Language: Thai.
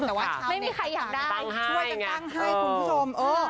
แต่ว่าธรรมชายช่วยกันตั้งให้คุณผู้ชมเออ